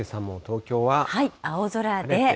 青空で。